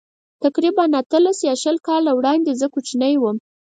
تقریباً اتلس یا شل کاله وړاندې زه کوچنی وم.